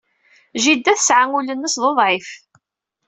Jida tesɛa ul-nnes d uḍɛif.